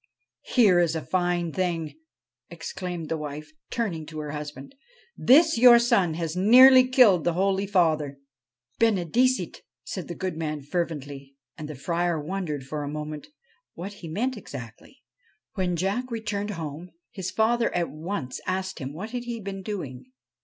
' Here is a fine thing,' exclaimed the wife, turning to her husband. ' This your son has nearly killed the holy Father !'' Benedicite !' said the good man fervently, and the Friar wondered for a moment what he meant exactly. When Jack returned home his father at once asked him what he had been doing.